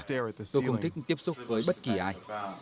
tôi không thích tiếp xúc với bất kỳ ai